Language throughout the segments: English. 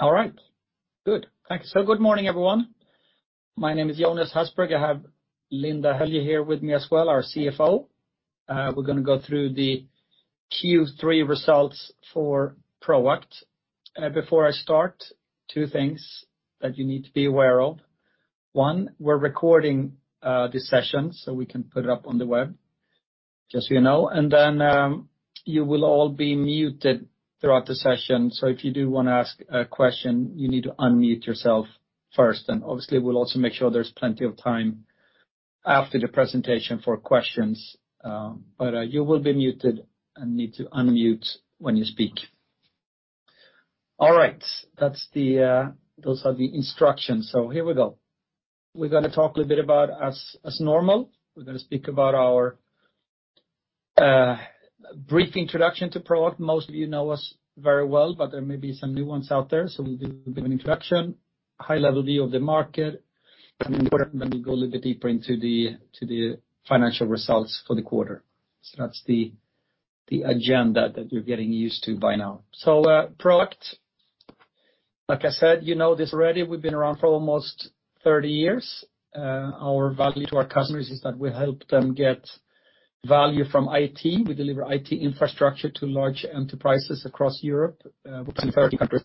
All right, good. Thank you. Good morning, everyone. My name is Jonas Hasselberg. I have Linda Höljö here with me as well, our CFO. We're gonna go through the Q3 results for Proact. Before I start, two things that you need to be aware of. One, we're recording this session so we can put it up on the web, just so you know. You will all be muted throughout the session. If you do wanna ask a question, you need to unmute yourself first. Obviously, we'll also make sure there's plenty of time after the presentation for questions, but you will be muted and need to unmute when you speak. All right. Those are the instructions, here we go. We're gonna talk a little bit about, as normal. We're gonna speak about our brief introduction to Proact. Most of you know us very well, but there may be some new ones out there, so we'll do a bit of introduction, high level view of the market, and then we're gonna go a little bit deeper into the financial results for the quarter. That's the agenda that you're getting used to by now. Proact, like I said, you know this already, we've been around for almost 30 years. Our value to our customers is that we help them get value from IT. We deliver IT infrastructure to large enterprises across Europe, between 30 countries.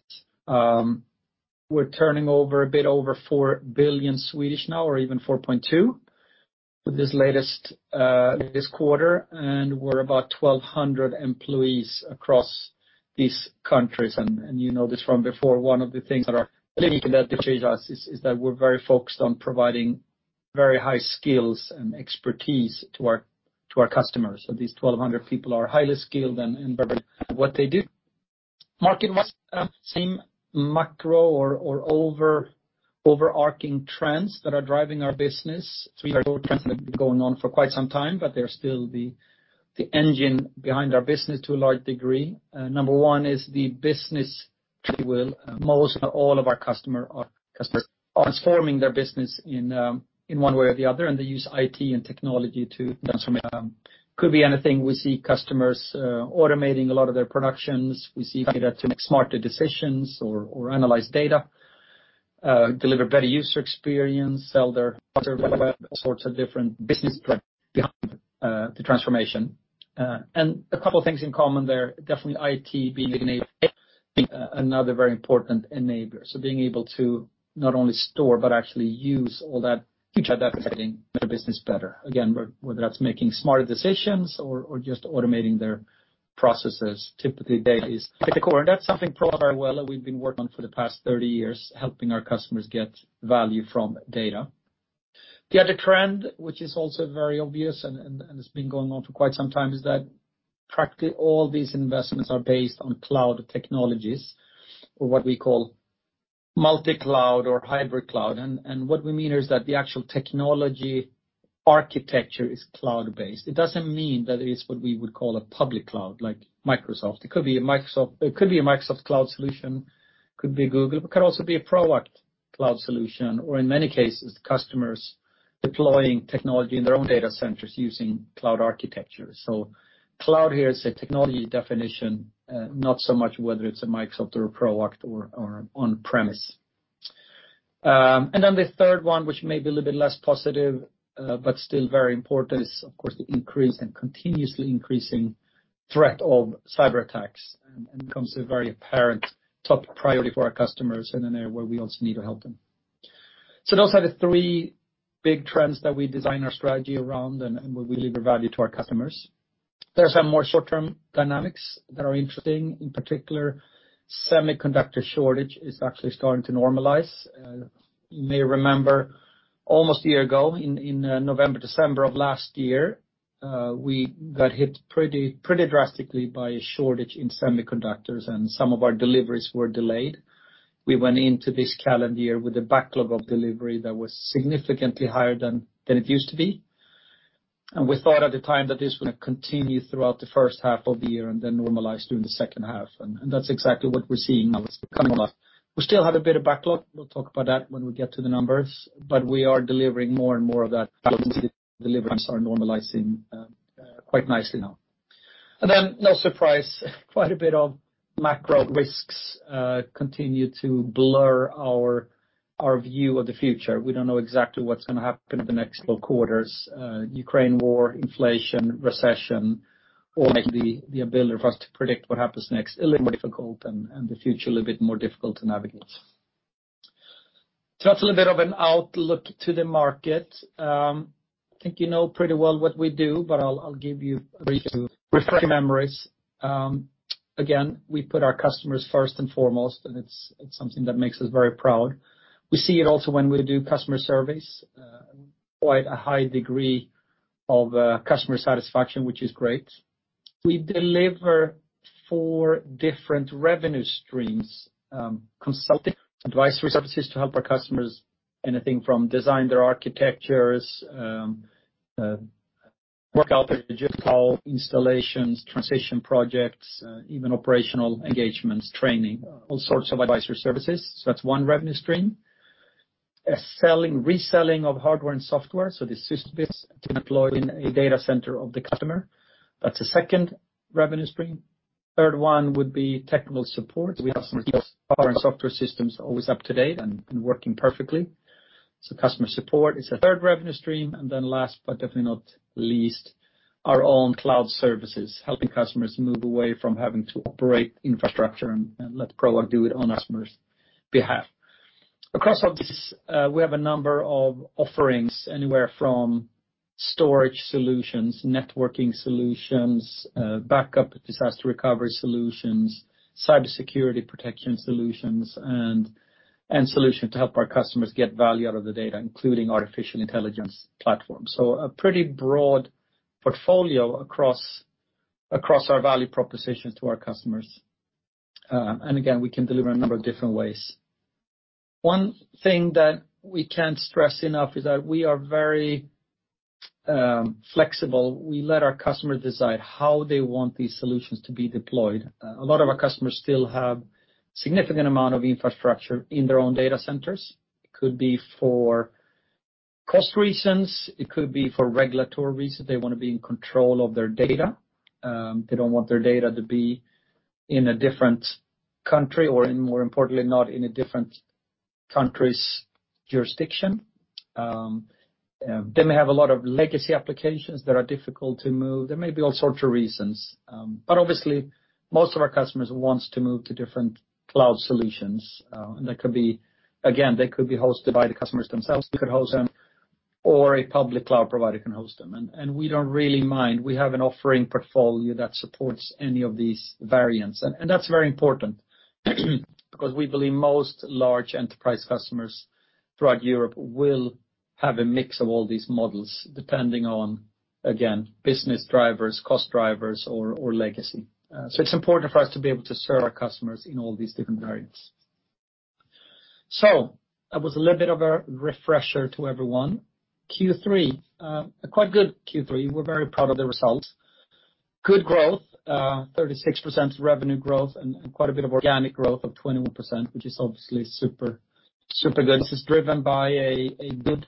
We're turning over a bit over 4 billion now or even 4.2 billion with this latest quarter, and we're about 1,200 employees across these countries. You know this from before, one of the things that are unique about Proact is that we're very focused on providing very high skills and expertise to our customers. These 1,200 people are highly skilled. The same macro or overarching trends that are driving our business. Three or four trends have been going on for quite some time, but they're still the engine behind our business to a large degree. Number one is the business, if you will. Most or all of our customers are customers transforming their business in one way or the other, and they use IT and technology to transform it. Could be anything. We see customers automating a lot of their productions. We see data to make smarter decisions or analyze data to deliver better user experience, sell their all sorts of different business trends behind the transformation. A couple of things in common there, definitely IT being another very important enabler. Being able to not only store, but actually use all that data in their business better. Again, whether that's making smarter decisions or just automating their processes, typically data is at the core. That's something Proact does very well, and we've been working on for the past 30 years, helping our customers get value from data. The other trend, which is also very obvious and has been going on for quite some time, is that practically all these investments are based on cloud technologies or what we call multi-cloud or hybrid cloud. What we mean is that the actual technology architecture is cloud-based. It doesn't mean that it's what we would call a public cloud like Microsoft. It could be a Microsoft, it could be a Microsoft cloud solution, could be a Google, it could also be a Proact cloud solution, or in many cases, customers deploying technology in their own data centers using cloud architecture. Cloud here is a technology definition, not so much whether it's a Microsoft or a Proact or on-premise. The third one, which may be a little bit less positive, but still very important is of course the increase and continuously increasing threat of cyberattacks and becomes a very apparent top priority for our customers and an area where we also need to help them. Those are the three big trends that we design our strategy around and where we deliver value to our customers. There are some more short-term dynamics that are interesting. In particular, semiconductor shortage is actually starting to normalize. You may remember almost a year ago in November, December of last year, we got hit pretty drastically by a shortage in semiconductors, and some of our deliveries were delayed. We went into this calendar year with a backlog of delivery that was significantly higher than it used to be. We thought at the time that this would continue throughout the first half of the year and then normalize during the second half. That's exactly what we're seeing now. It's coming up. We still have a bit of backlog. We'll talk about that when we get to the numbers. We are delivering more and more of that. Deliveries are normalizing quite nicely now. No surprise, quite a bit of macro risks continue to blur our view of the future. We don't know exactly what's gonna happen in the next couple quarters. Ukraine war, inflation, recession, all make the ability of us to predict what happens next a little more difficult and the future a little bit more difficult to navigate. That's a little bit of an outlook to the market. I think you know pretty well what we do, but I'll give you a brief to refresh your memories. Again, we put our customers first and foremost, and it's something that makes us very proud. We see it also when we do customer surveys, quite a high degree of, customer satisfaction, which is great. We deliver four different revenue streams, consulting advisory services to help our customers anything from design their architectures, work out their logistical installations, transition projects, even operational engagements, training, all sorts of advisory services. That's one revenue stream. Selling, reselling of hardware and software, so the systems we deploy in a data center of the customer. That's the second revenue stream. Third one would be technical support. We have some software and systems always up to date and working perfectly. Customer support is a third revenue stream. Last but definitely not least, our own cloud services, helping customers move away from having to operate infrastructure and let Proact do it on customer's behalf. Across all this, we have a number of offerings anywhere from storage solutions, networking solutions, backup disaster recovery solutions, cybersecurity protection solutions, and solution to help our customers get value out of the data, including artificial intelligence platforms. A pretty broad portfolio across our value propositions to our customers. Again, we can deliver a number of different ways. One thing that we can't stress enough is that we are very flexible. We let our customers decide how they want these solutions to be deployed. A lot of our customers still have significant amount of infrastructure in their own data centers. It could be for cost reasons, it could be for regulatory reasons. They wanna be in control of their data. They don't want their data to be in a different country or in, more importantly, not in a different country's jurisdiction. They may have a lot of legacy applications that are difficult to move. There may be all sorts of reasons. Most of our customers wants to move to different cloud solutions. That could be, again, they could be hosted by the customers themselves. They could host them, or a public cloud provider can host them. We don't really mind. We have an offering portfolio that supports any of these variants. That's very important because we believe most large enterprise customers throughout Europe will have a mix of all these models, depending on, again, business drivers, cost drivers or legacy. It's important for us to be able to serve our customers in all these different variants. That was a little bit of a refresher to everyone. Q3, a quite good Q3. We're very proud of the results. Good growth, 36% revenue growth and quite a bit of organic growth of 21%, which is obviously super good. This is driven by a good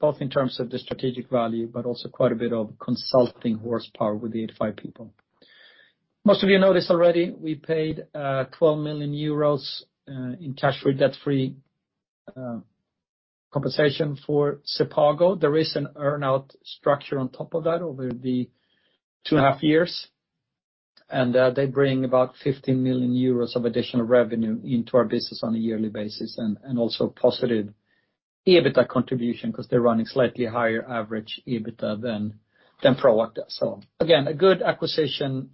both in terms of the strategic value, but also quite a bit of consulting horsepower with the 85 people. Most of you know this already. We paid 12 million euros in cash-free, debt-free compensation for sepago. There is an earn-out structure on top of that over the two and a half years, and they bring about 15 million euros of additional revenue into our business on a yearly basis and also positive EBITA contribution because they're running slightly higher average EBITA than Proact. Again, a good acquisition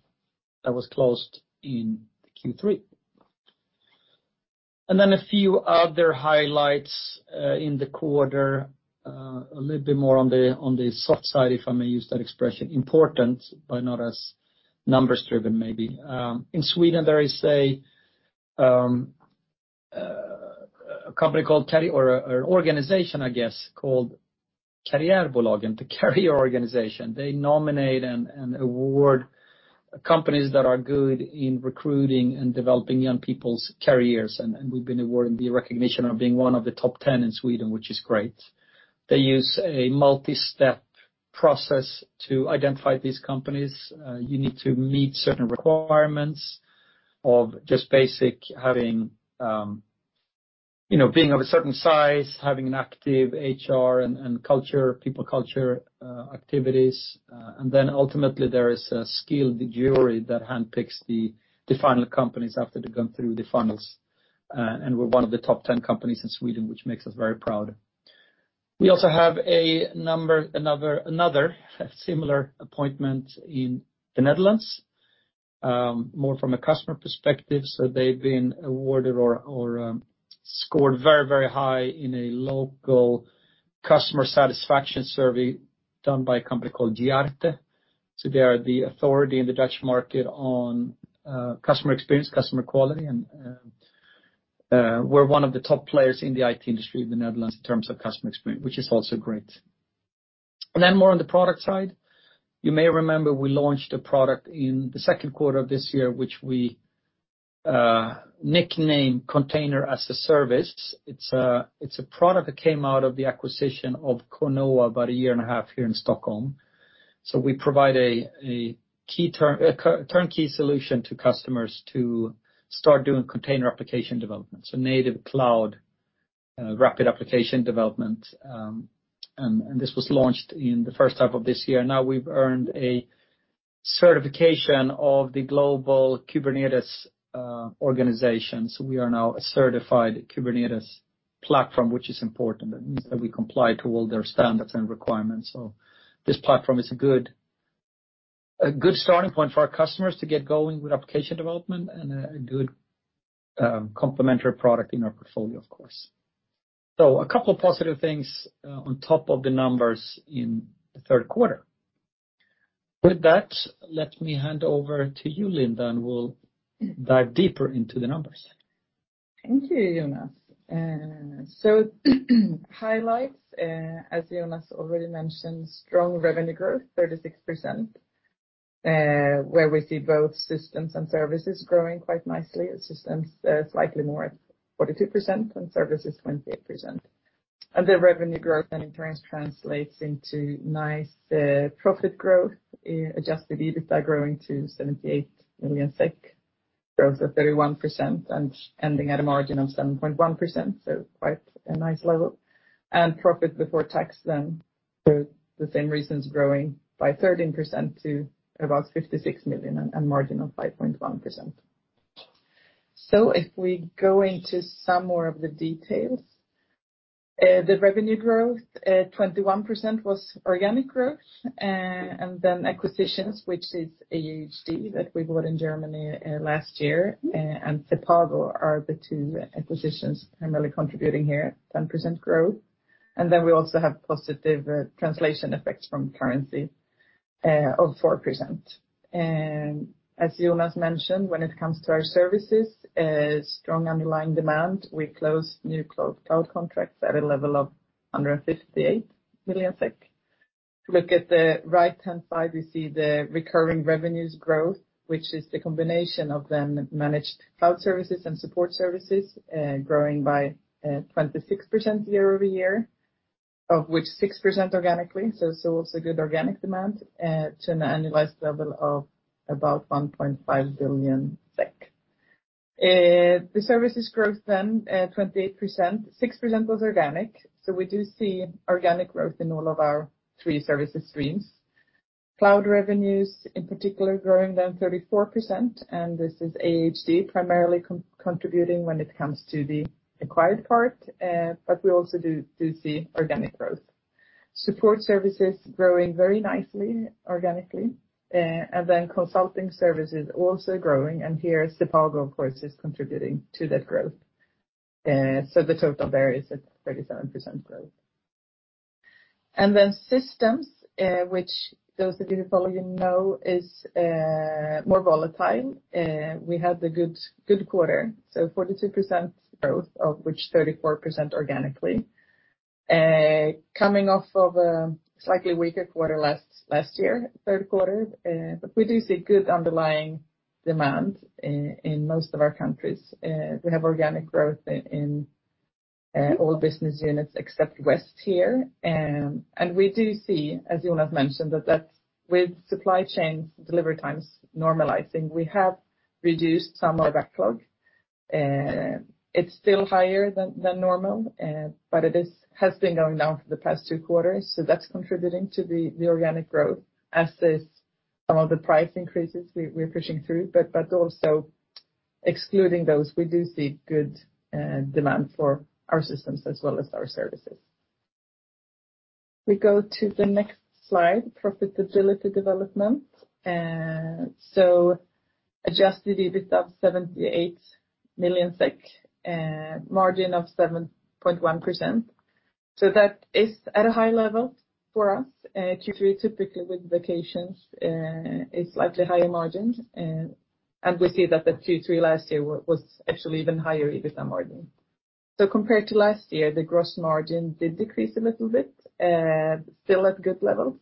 that was closed in Q3. A few other highlights in the quarter, a little bit more on the soft side, if I may use that expression. Important, but not as numbers driven, maybe. In Sweden, there is a company called Karriärföretagen, the Career Organization. They nominate and award companies that are good in recruiting and developing young people's careers, and we've been awarded the recognition of being one of the top 10 in Sweden, which is great. They use a multi-step process to identify these companies. You need to meet certain requirements of just basic having, you know, being of a certain size, having an active HR and culture, people culture activities. Ultimately, there is a skilled jury that handpicks the final companies after they've gone through the funnels. We're one of the top 10 companies in Sweden, which makes us very proud. We also have another similar appointment in the Netherlands, more from a customer perspective. They've been awarded or scored very, very high in a local customer satisfaction survey done by a company called Giarte. They are the authority in the Dutch market on customer experience, customer quality, and we're one of the top players in the IT industry in the Netherlands in terms of customer experience, which is also great. More on the product side. You may remember we launched a product in the second quarter of this year, which we nicknamed Container-as-a-Service. It's a product that came out of the acquisition of Conoa about a year and a half here in Stockholm. We provide a turnkey solution to customers to start doing container application development. Native cloud rapid application development. This was launched in the first half of this year. Now we've earned a certification of the global Kubernetes organization. We are now a certified Kubernetes platform, which is important. That means that we comply to all their standards and requirements. This platform is a good starting point for our customers to get going with application development and a good complementary product in our portfolio, of course. A couple of positive things on top of the numbers in the third quarter. With that, let me hand over to you, Linda, and we'll dive deeper into the numbers. Thank you, Jonas. Highlights, as Jonas already mentioned, strong revenue growth, 36%, where we see both systems and services growing quite nicely. Systems, slightly more at 42% and services 28%. The revenue growth then translates into nice, profit growth, adjusted EBITDA growing to 78 million SEK, growth of 31% and ending at a margin of 7.1%. Quite a nice level. Profit before tax then, for the same reasons, growing by 13% to about 56 million and margin of 5.1%. If we go into some more of the details, the revenue growth, 21% was organic growth. Acquisitions, which is ahd that we bought in Germany, last year, and sepago are the two acquisitions primarily contributing here, 10% growth. We also have positive translation effects from currency of 4%. As Jonas mentioned, when it comes to our services, strong underlying demand. We closed new cloud contracts at a level of 158 million SEK. If you look at the right-hand side, we see the recurring revenues growth, which is the combination of the managed cloud services and support services, growing by 26% year-over-year, of which 6% organically. Also good organic demand to an annualized level of about 1.5 billion SEK. The services growth then 28%, 6% was organic. We do see organic growth in all of our three services streams. Cloud revenues in particular growing 34%, and this is ahd primarily contributing when it comes to the acquired part, but we also do see organic growth. Support services growing very nicely organically, and consulting services also growing. Here sepago, of course, is contributing to that growth. The total there is at 37% growth. Systems, which those of you who follow you know is more volatile. We had a good quarter, so 42% growth, of which 34% organically. Coming off of a slightly weaker quarter last year, third quarter. We do see good underlying demand in most of our countries. We have organic growth in all business units except West here. We do see, as Jonas mentioned, that that's with supply chains delivery times normalizing. We have reduced some of our backlog. It's still higher than normal, but it has been going down for the past two quarters, so that's contributing to the organic growth as is some of the price increases we're pushing through. But also excluding those, we do see good demand for our systems as well as our services. If we go to the next slide, profitability development. So Adjusted EBIT of 78 million SEK, margin of 7.1%. That is at a high level for us. Q3 typically with vacations is slightly higher margins. We see that the Q3 last year was actually even higher EBITA margin. Compared to last year, the gross margin did decrease a little bit, still at good levels,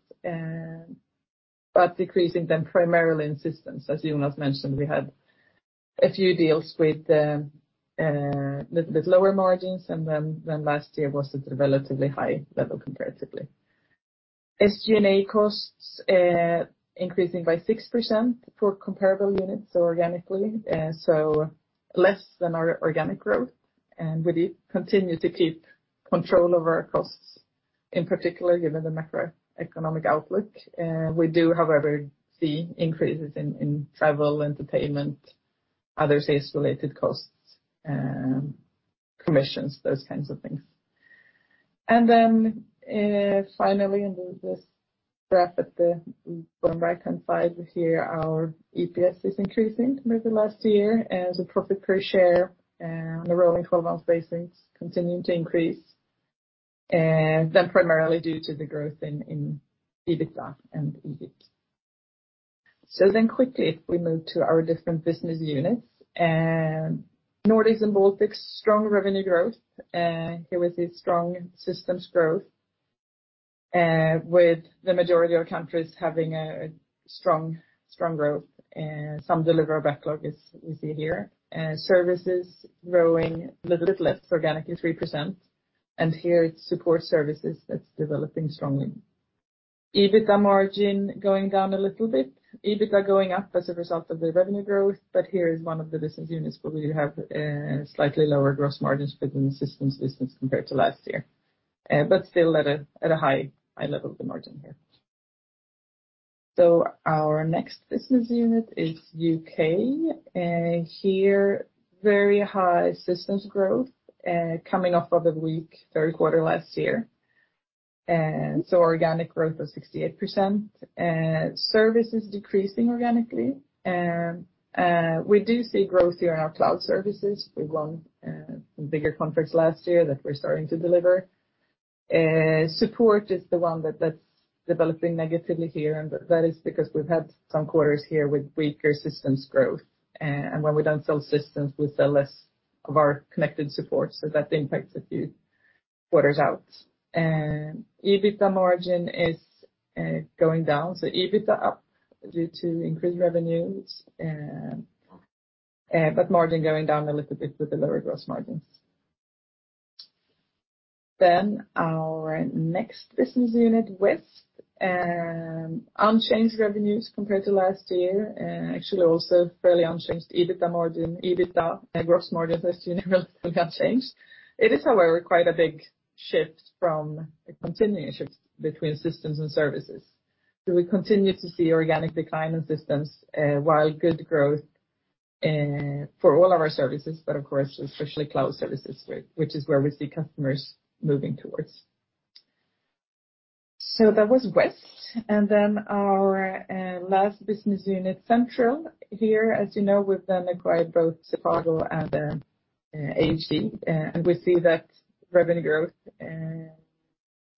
but decreasing then primarily in systems. As Jonas mentioned, we had a few deals with little bit lower margins, and then last year was at a relatively high level comparatively. SG&A costs increasing by 6% for comparable units, so organically. Less than our organic growth. We did continue to keep control over our costs, in particular, given the macroeconomic outlook. We do, however, see increases in travel, entertainment, other sales related costs, commissions, those kinds of things. Finally, in this graph at the bottom right-hand side here, our EPS is increasing compared to last year as the profit per share on a rolling twelve-month basis continuing to increase, primarily due to the growth in EBITA and EBIT. Quickly, if we move to our different business units. Nordics and Baltics, strong revenue growth. Here we see strong systems growth, with the majority of countries having a strong growth, some delivery backlog as we see here. Services growing little bit less organically, 3%. Here it's support services that's developing strongly. EBITA margin going down a little bit. EBITA going up as a result of the revenue growth, but here is one of the business units where we have slightly lower gross margins within the systems business compared to last year. But still at a high level of the margin here. Our next business unit is U.K. Here, very high systems growth, coming off of the weak third quarter last year. So organic growth of 68%. Services decreasing organically. We do see growth here in our cloud services. We won some bigger contracts last year that we're starting to deliver. Support is the one that's developing negatively here, and that is because we've had some quarters here with weaker systems growth. When we don't sell systems, we sell less of our connected support, so that impacts a few quarters out. EBITA margin is going down. EBITA up due to increased revenues, but margin going down a little bit with the lower gross margins. Our next business unit, West. Unchanged revenues compared to last year. Actually also fairly unchanged EBITA margin, EBITA, gross margin, as you know, have changed. It is, however, quite a big shift from a continuation between systems and services. We continue to see organic decline in systems, while good growth for all of our services, but of course, especially cloud services, which is where we see customers moving towards. That was West. Our last business unit, Central. Here, as you know, we've then acquired both sepago and ahd. We see that revenue growth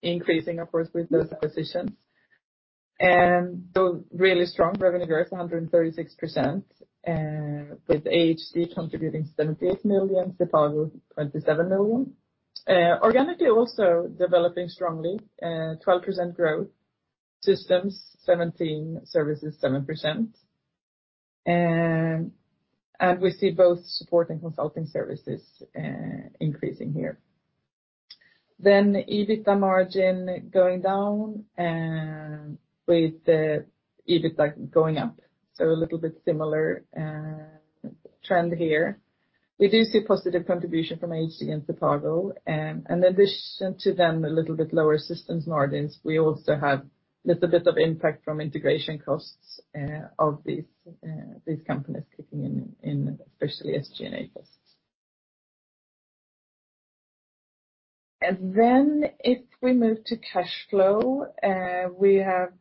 increasing, of course, with those acquisitions. Really strong revenue growth, 136%, with ahd contributing 78 million, sepago 27 million. Organically also developing strongly, 12% growth. Systems 17%, services 7%. We see both support and consulting services increasing here. EBITA margin going down, with the EBITA going up. A little bit similar trend here. We do see positive contribution from ahd and sepago. In addition to a little bit lower systems margins, we also have a little bit of impact from integration costs of these companies kicking in, especially in SG&A costs. If we move to cash flow, we have,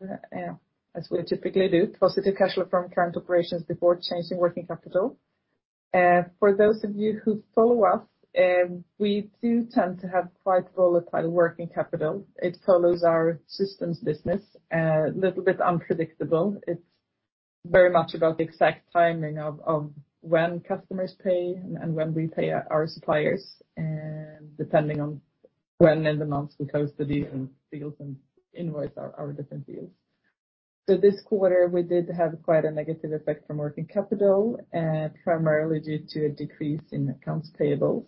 as we typically do, positive cash flow from current operations before changing working capital. For those of you who follow us, we do tend to have quite volatile working capital. It follows our systems business, a little bit unpredictable. It's very much about the exact timing of when customers pay and when we pay our suppliers, depending on when in the months we close the different deals and invoice our different deals. This quarter, we did have quite a negative effect from working capital, primarily due to a decrease in accounts payable.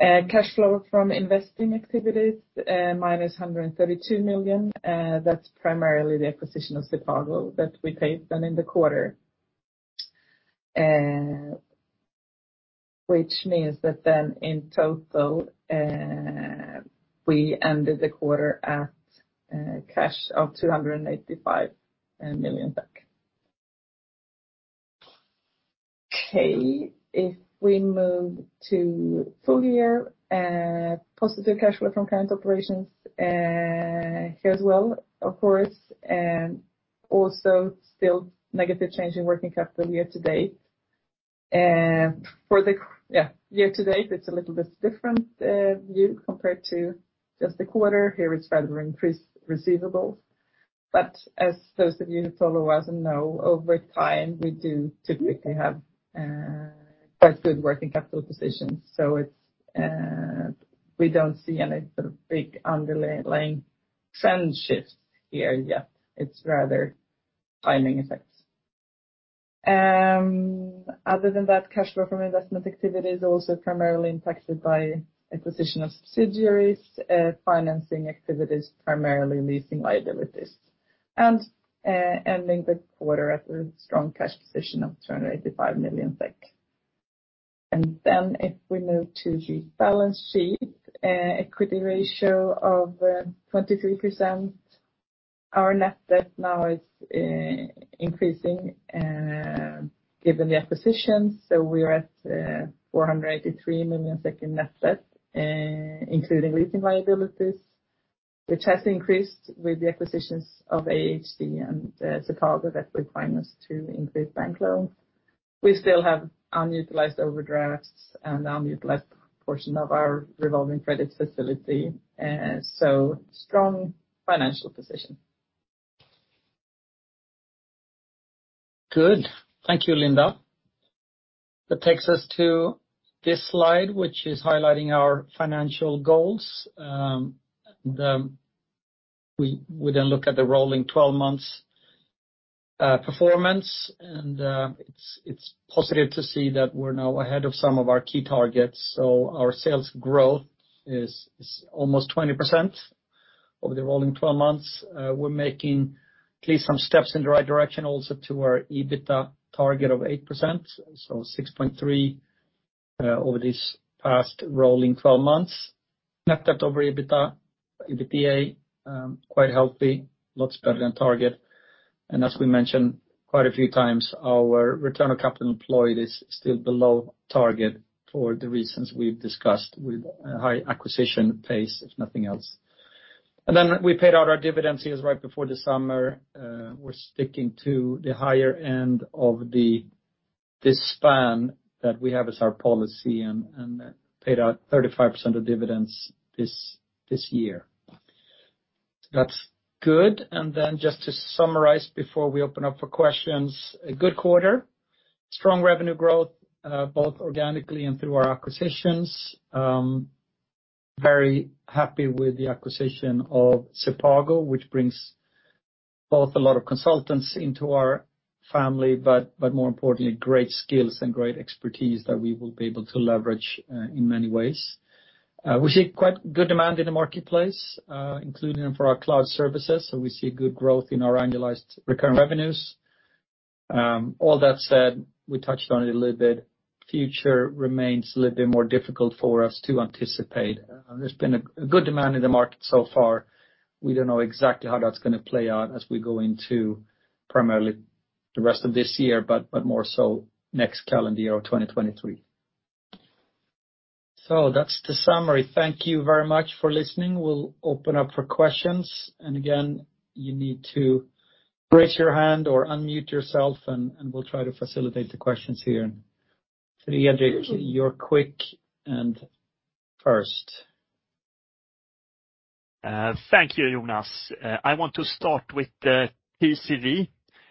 Cash flow from investing activities, minus 132 million. That's primarily the acquisition of sepago that we paid them in the quarter. Which means that then in total, we ended the quarter at cash of SEK 285 million. Okay. If we move to full year, positive cash flow from current operations here as well, of course, also still negative change in working capital year to date. Year to date, it's a little bit different view compared to just the quarter. Here it's rather increased receivables. As those of you who follow us know, over time, we do typically have quite good working capital positions. It's, we don't see any sort of big underlying trend shifts here yet. It's rather timing effects. Other than that, cash flow from investment activity is also primarily impacted by acquisition of subsidiaries, financing activities, primarily leasing liabilities. Ending the quarter at a strong cash position of 285 million SEK. If we move to the balance sheet, equity ratio of 23%. Our net debt now is increasing, given the acquisitions, so we're at 483 million in net debt, including leasing liabilities, which has increased with the acquisitions of ahd and sepago that require us to increase bank loans. We still have unutilized overdrafts and unutilized portion of our revolving credit facility, so strong financial position. Good. Thank you, Linda. That takes us to this slide, which is highlighting our financial goals. We then look at the rolling 12 months performance, and it's positive to see that we're now ahead of some of our key targets. Our sales growth is almost 20% over the rolling twelve months. We're making at least some steps in the right direction also to our EBITA target of 8%, so 6.3 over this past rolling twelve months. Net debt over EBITA quite healthy, lots better than target. As we mentioned quite a few times, our return on capital employed is still below target for the reasons we've discussed with a high acquisition pace, if nothing else. Then we paid out our dividends here right before the summer. We're sticking to the higher end of the span that we have as our policy and paid out 35% of dividends this year. That's good. Just to summarize before we open up for questions. A good quarter. Strong revenue growth, both organically and through our acquisitions. Very happy with the acquisition of sepago, which brings both a lot of consultants into our family, but more importantly, great skills and great expertise that we will be able to leverage in many ways. We see quite good demand in the marketplace, including for our cloud services. We see good growth in our annualized recurring revenues. All that said, we touched on it a little bit, future remains a little bit more difficult for us to anticipate. There's been a good demand in the market so far. We don't know exactly how that's gonna play out as we go into primarily the rest of this year, but more so next calendar year or 2023. That's the summary. Thank you very much for listening. We'll open up for questions. Again, you need to raise your hand or unmute yourself and we'll try to facilitate the questions here. Fredrik, you're quick and first. Thank you, Jonas. I want to start with the TCV.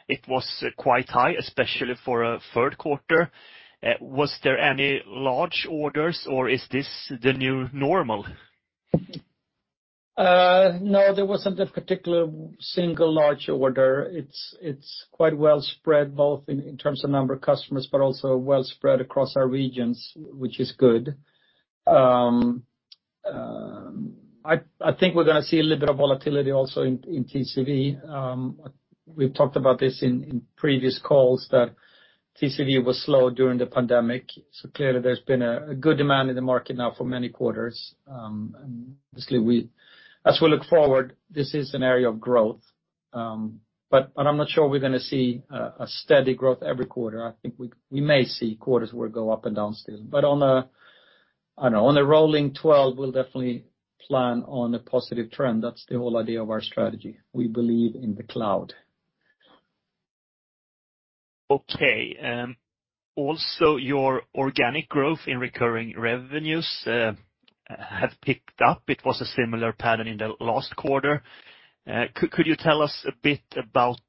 It was quite high, especially for a third quarter. Was there any large orders or is this the new normal? No, there wasn't a particular single large order. It's quite well spread, both in terms of number of customers, but also well spread across our regions, which is good. I think we're gonna see a little bit of volatility also in TCV. We've talked about this in previous calls that TCV was slow during the pandemic. Clearly there's been a good demand in the market now for many quarters. As we look forward, this is an area of growth. I'm not sure we're gonna see a steady growth every quarter. I think we may see quarters where we go up and down still. On a rolling twelve, we'll definitely plan on a positive trend. That's the whole idea of our strategy. We believe in the cloud. Okay. Also your organic growth in recurring revenues have picked up. It was a similar pattern in the last quarter. Could you tell us a bit about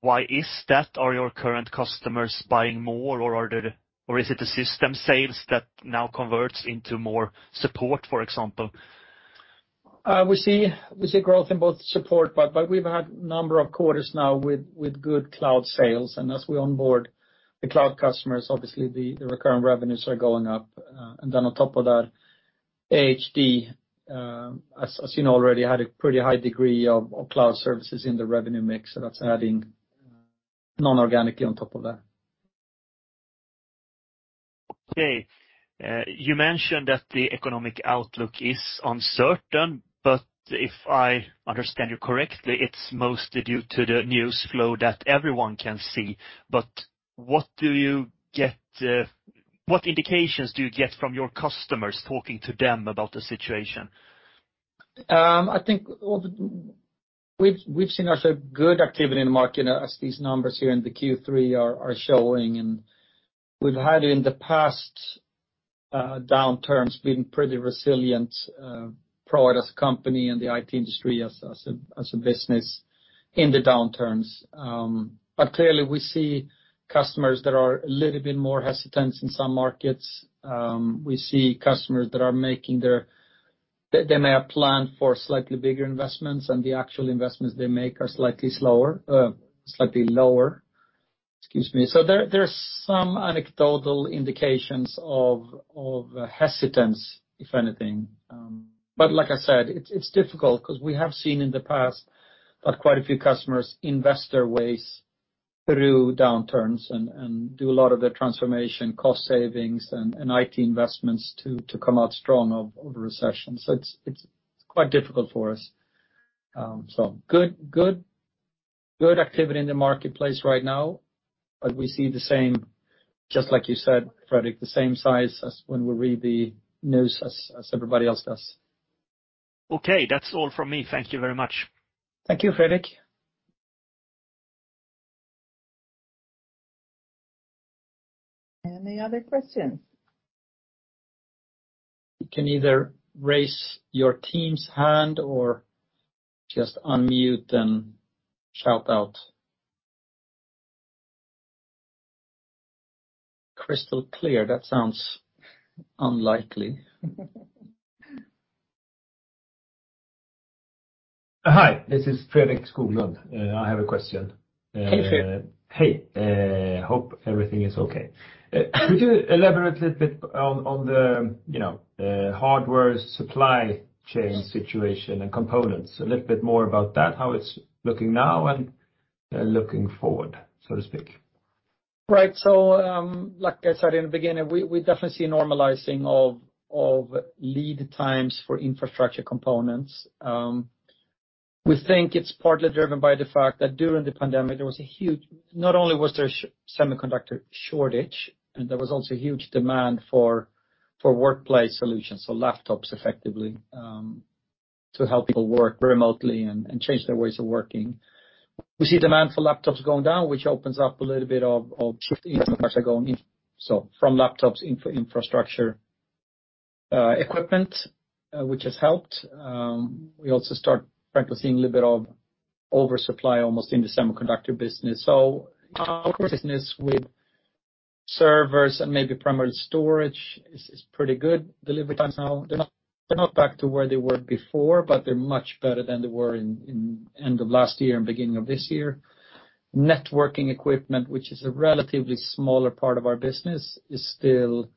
why is that? Are your current customers buying more or is it the system sales that now converts into more support, for example? We see growth in both support, but we've had a number of quarters now with good cloud sales. As we onboard the cloud customers, obviously the recurring revenues are going up. On top of that, ahd, as you know already, had a pretty high degree of cloud services in the revenue mix, so that's adding non-organically on top of that. Okay. You mentioned that the economic outlook is uncertain, but if I understand you correctly, it's mostly due to the news flow that everyone can see. What indications do you get from your customers talking to them about the situation? I think we've seen actually good activity in the market, you know, as these numbers here in the Q3 are showing. We've had in the past downturns been pretty resilient, Proact as a company and the IT industry as a business in the downturns. Clearly we see customers that are a little bit more hesitant in some markets. We see customers that may have planned for slightly bigger investments, and the actual investments they make are slightly slower, slightly lower. Excuse me. There are some anecdotal indications of hesitance, if anything. Like I said, it's difficult 'cause we have seen in the past that quite a few customers invest their ways through downturns and do a lot of their transformation, cost savings, and IT investments to come out strong of a recession. It's quite difficult for us. Good activity in the marketplace right now. We see the same signs, just like you said, Fredrik, as when we read the news as everybody else does. Okay. That's all from me. Thank you very much. Thank you, Fredrik. Any other questions? You can either raise your team's hand or just unmute and shout out. Crystal clear. That sounds unlikely. Hi, this is Fredrik Skoglund. I have a question. Hey, Fred. Hey. Hope everything is okay. Could you elaborate a little bit on the, you know, hardware supply chain situation and components? A little bit more about that, how it's looking now and looking forward, so to speak. Right. Like I said in the beginning, we definitely see a normalizing of lead times for infrastructure components. We think it's partly driven by the fact that during the pandemic, there was a huge semiconductor shortage, and there was also huge demand for workplace solutions, so laptops effectively, to help people work remotely and change their ways of working. We see demand for laptops going down, which opens up a little bit of shift infrastructure going in, so from laptops into infrastructure equipment, which has helped. We also start frankly seeing a little bit of oversupply almost in the semiconductor business. Our business with servers and maybe primary storage is pretty good delivery times now. They're not back to where they were before, but they're much better than they were in end of last year and beginning of this year. Networking equipment, which is a relatively smaller part of our business, is still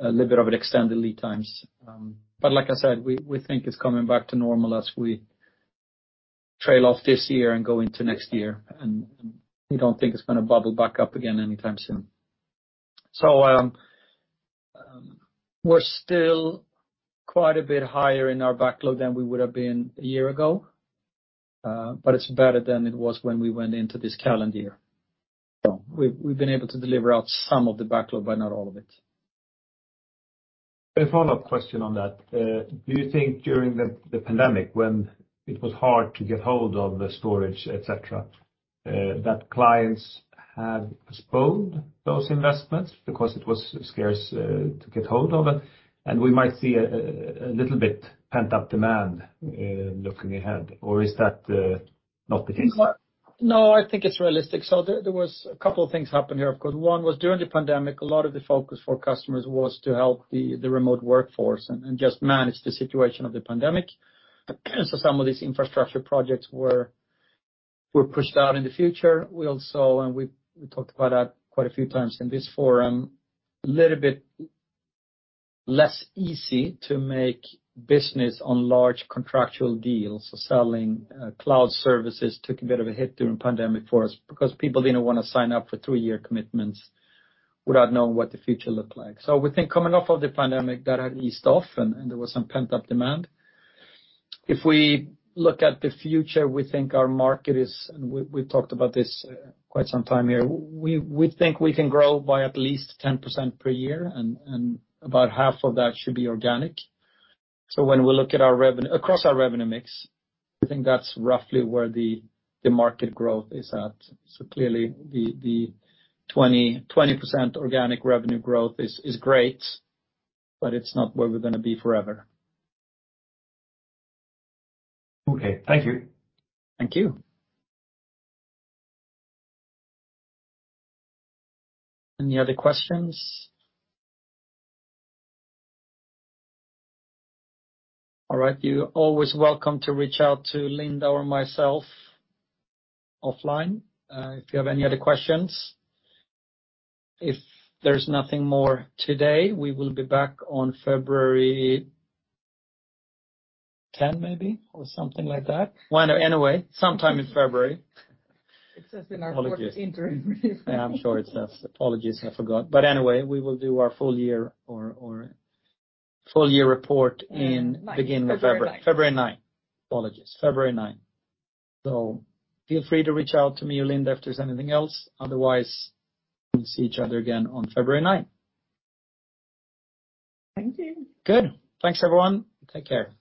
a little bit of an extended lead times. Like I said, we think it's coming back to normal as we trail off this year and go into next year, and we don't think it's gonna bubble back up again anytime soon. We're still quite a bit higher in our backlog than we would have been a year ago, but it's better than it was when we went into this calendar year. We've been able to deliver out some of the backlog, but not all of it. A follow-up question on that. Do you think during the pandemic when it was hard to get hold of the storage, et cetera, that clients have postponed those investments because it was scarce to get hold of it, and we might see a little bit pent-up demand looking ahead? Is that not the case? No, I think it's realistic. There was a couple of things happened here, of course. One was during the pandemic, a lot of the focus for customers was to help the remote workforce and just manage the situation of the pandemic. Some of these infrastructure projects were pushed out in the future. We also talked about that quite a few times in this forum, a little bit less easy to make business on large contractual deals. Selling cloud services took a bit of a hit during pandemic for us because people didn't wanna sign up for three-year commitments without knowing what the future looked like. We think coming off of the pandemic, that had eased off, and there was some pent-up demand. If we look at the future, we think our market is We've talked about this quite some time here. We think we can grow by at least 10% per year, and about half of that should be organic. When we look at our revenue across our revenue mix, I think that's roughly where the market growth is at. Clearly the 20% organic revenue growth is great, but it's not where we're gonna be forever. Okay. Thank you. Thank you. Any other questions? All right. You're always welcome to reach out to Linda or myself offline, if you have any other questions. If there's nothing more today, we will be back on February ten maybe, or something like that. Anyway, sometime in February. It says in our quarterly interim. Yeah, I'm sure it says. Apologies, I forgot. Anyway, we will do our full year report in beginning of February. February 9. February nine. Apologies. February 9. Feel free to reach out to me or Linda if there's anything else. Otherwise, we'll see each other again on February ninth. Thank you. Good. Thanks, everyone. Take care. Bye.